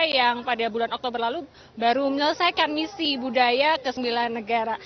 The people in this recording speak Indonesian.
yang pada bulan oktober lalu baru menyelesaikan misi budaya ke sembilan negara